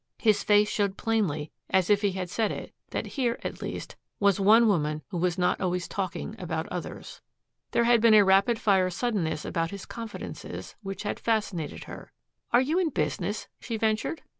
His face showed plainly as if he had said it that here, at least, was one woman who was not always talking about others. There had been a rapid fire suddenness about his confidences which had fascinated her. "Are you in business?" she ventured.